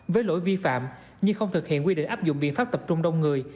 với lỗi vi phạm như không thực hiện quy định áp dụng biện pháp tập trung đông người